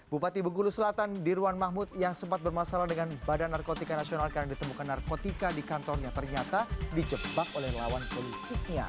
bupati bengkulu selatan dirwan mahmud yang sempat bermasalah dengan badan narkotika nasional karena ditemukan narkotika di kantornya ternyata dijebak oleh lawan politiknya